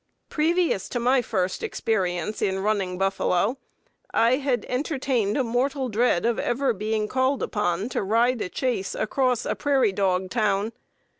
Previous to my first experience in "running buffalo" I had entertained a mortal dread of ever being called upon to ride a chase across a prairie dog town.